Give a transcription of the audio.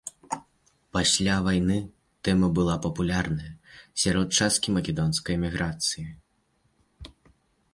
Пасля вайны тэма была папулярная сярод часткі македонскай эміграцыі.